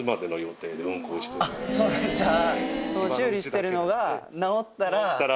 じゃあ。